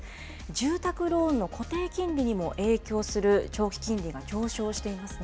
住宅ローンの固定金利にも影響する長期金利が上昇していますね。